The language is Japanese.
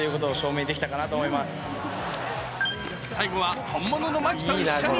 最後は本物の牧と一緒に。